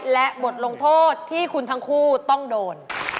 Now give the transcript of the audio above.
และบทลงโทษที่คุณทั้งคู่ต้องโดน